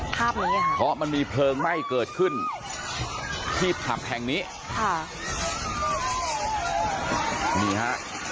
ภาพนี้ค่ะเพราะมันมีเพลิงไหม้เกิดขึ้นที่ผับแห่งนี้ค่ะนี่ฮะ